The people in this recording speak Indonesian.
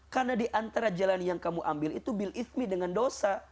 karena diantara jalan yang kamu ambil itu bil'izmi dengan dosa